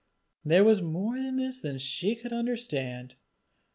There was more in it than she could understand!